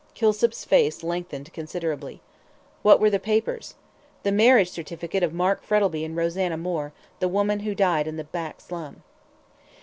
Kilsip's face lengthened considerably. "What were the papers?" "The marriage certificate of Mark Frettlby and Rosanna Moore, the woman who died in the back slum."